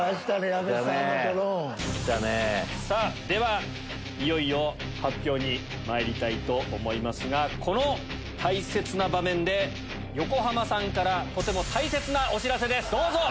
ではいよいよ発表にまいりたいと思いますがこの大切な場面で横浜さんからとても大切なお知らせです！